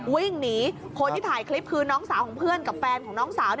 วิ่งหนีคนที่ถ่ายคลิปคือน้องสาวของเพื่อนกับแฟนของน้องสาว